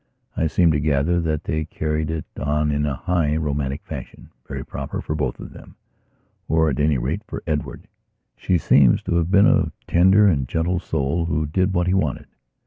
I seem to gather that they carried it on in a high romantic fashion, very proper to both of themor, at any rate, for Edward; she seems to have been a tender and gentle soul who did what he wanted.